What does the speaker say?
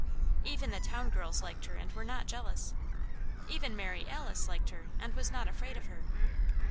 Even the town girls liked her and were not jealous. Even Mary Alice liked her, and was not afraid of her.